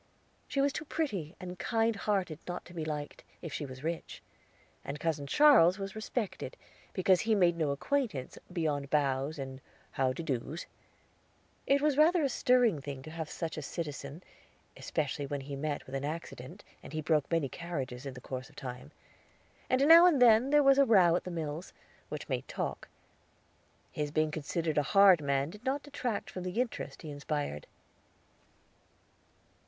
She was too pretty and kind hearted not to be liked, if she was rich; and Cousin Charles was respected, because he made no acquaintance beyond bows, and "How de do's." It was rather a stirring thing to have such a citizen, especially when he met with an accident, and he broke many carriages in the course of time; and now and then there was a row at the mills, which made talk. His being considered a hard man did not detract from the interest he inspired.